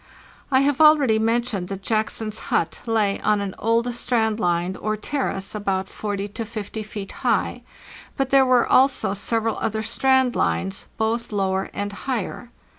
I have already mentioned that Jackson's hut lay on an old strand line or terrace about from 4o to 50 feet high, but there were also several other strand lines, both lower and higher.